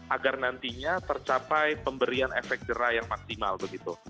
agar nantinya tercapai pemberian efek jerah yang maksimal begitu